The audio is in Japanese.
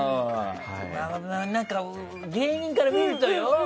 芸人から見るとよ